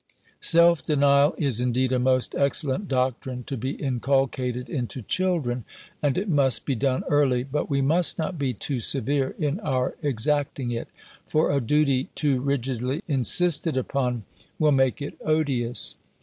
Self denial is, indeed, a most excellent doctrine to be inculcated into children, and it must be done early: but we must not be too severe in our exacting it; for a duty too rigidly insisted upon, will make it odious.